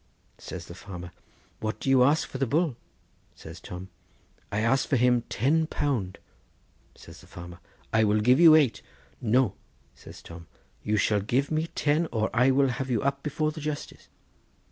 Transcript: Says the farmer, 'What do you ask for the bull?' Says Tom, 'I ask for him ten pound.' Says the farmer, 'I will give you eight.' 'No,' says Tom; 'you shall give me ten, or I will have you up before the justice.